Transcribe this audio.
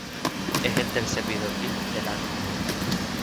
Es el tercer videoclip del álbum.